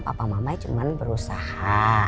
papa mama cuma berusaha